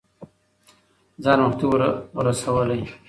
ځان وختي ور رسولی